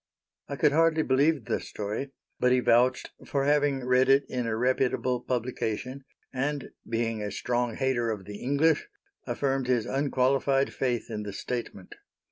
I could hardly believe the story, but he vouched for having read it in a reputable publication, and being a strong hater of the English, affirmed his unqualified faith in the statement.